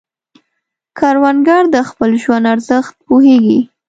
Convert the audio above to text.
کروندګر د خپل ژوند ارزښت پوهیږي